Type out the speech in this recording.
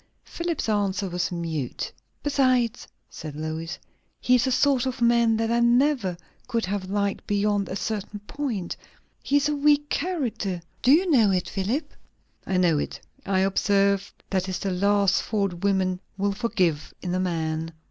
Philip's answer was mute. "Besides," said Lois, "he is a sort of man that I never could have liked beyond a certain point. He is a weak character; do you know it, Philip?" "I know it. I observe, that is the last fault women will forgive in a man."